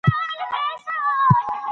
کابل د هر وګړي د مسولیت او هڅو مرکز دی.